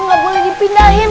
nggak boleh dipindahin